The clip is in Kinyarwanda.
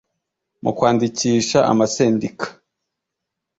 mu kwandikisha amasendika